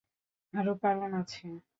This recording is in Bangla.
আরো কারন আছে।